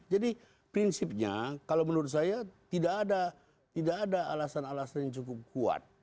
jadi prinsipnya kalau menurut saya tidak ada alasan alasan yang cukup kuat